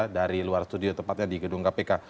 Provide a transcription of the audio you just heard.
dari luar studio tepatnya di gedung kpk